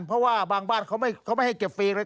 เพราะว่าบางบ้านเขาไม่ให้เก็บฟรีเลย